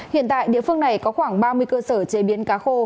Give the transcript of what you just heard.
hiện tại địa phương này có khoảng ba mươi cơ sở chế biến cá khô